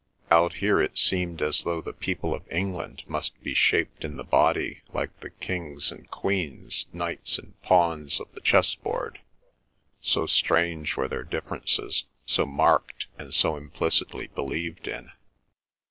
Out here it seemed as though the people of England must be shaped in the body like the kings and queens, knights and pawns of the chessboard, so strange were their differences, so marked and so implicitly believed in.